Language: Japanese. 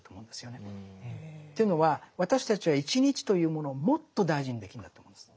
というのは私たちは１日というものをもっと大事にできるんだと思うんです。